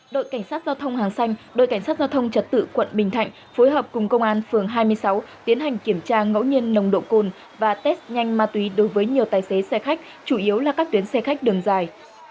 đội cảnh sát giao thông hàng xanh đội cảnh sát giao thông trật tự quận bình thạnh phối hợp cùng công an phường hai mươi sáu tiến hành kiểm tra ngẫu nhiên nồng độ cồn và test nhanh ma túy đối với nhiều tài xế xe khách chủ yếu là các tuyến xe khách đường dài